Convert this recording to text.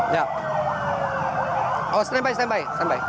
ya oh durang sampai